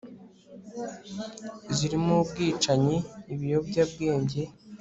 zirimo ubwicanyi ibiyobyabwenge